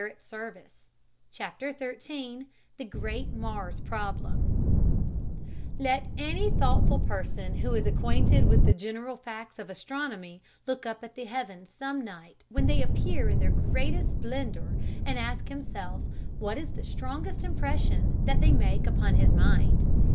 [Illustration: Mare Crisium] XIII The Great Mars Problem Let any thoughtful person who is acquainted with the general facts of astronomy look up at the heavens some night when they appear in their greatest splendor, and ask himself what is the strongest impression that they make upon his mind.